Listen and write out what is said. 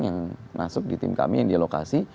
yang masuk di tim kami yang di lokasi